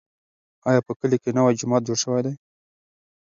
ایا ستا په کلي کې نوی جومات جوړ شوی دی؟